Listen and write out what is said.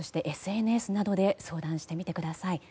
ＳＮＳなどに相談してみてください。